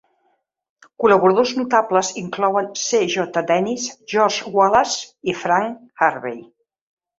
Col·laboradors notables inclouen C.J. Dennis, George Wallace i Frank Harvey.